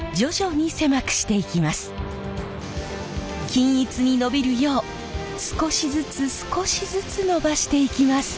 均一にのびるよう少しずつ少しずつのばしていきます。